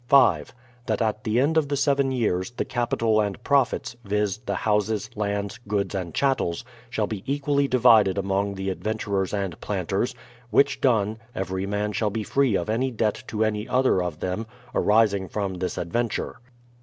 5. That at the end of the seven years, the capital and profits, viz., the houses, lands, goods and chattels, shall be equally divided among the adventurers and planters ; which done, every man shall be free of any debt to any other of them, arising from this ad venture.